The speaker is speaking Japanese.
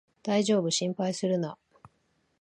だいじょうぶ、心配するな